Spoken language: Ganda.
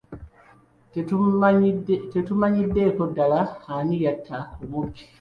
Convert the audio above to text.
Tetumanyiddeeko ddala ani yatta omubbi.